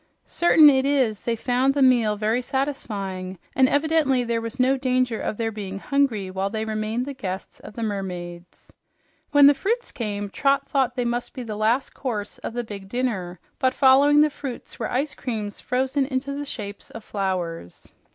Certain it is they found the meal very satisfying, and evidently there was no danger of their being hungry while they remained the guests of the mermaids. When the fruits came, Trot thought that must be the last course of the big dinner, but following the fruits were ice creams frozen into the shape of flowers.